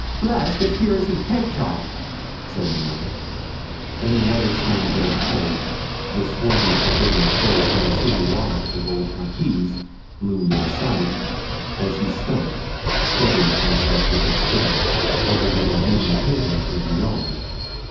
'Blest if here isn't Pegtop,' said Milly. And the weather stained red coat, the swarthy forbidding face and sooty locks of old Hawkes loomed in sight, as he stumped, steadying himself with his stick, over the uneven pavement of the yard.